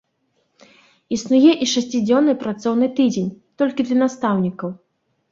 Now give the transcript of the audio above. Існуе і шасцідзённы працоўны тыдзень, толькі для настаўнікаў.